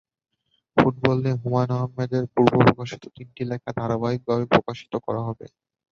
Football নিয়ে হুমায়ূন আহমেদের পূর্বপ্রকাশিত তিনটি লেখা ধারাবাহিকভাবে প্রকাশ করা হবে।